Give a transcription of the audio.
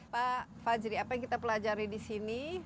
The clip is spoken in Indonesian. pak fajri apa yang kita pelajari di sini